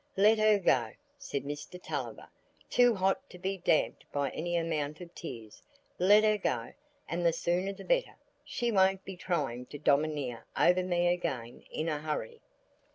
"Let her go," said Mr Tulliver, too hot to be damped by any amount of tears. "Let her go, and the sooner the better; she won't be trying to domineer over me again in a hurry."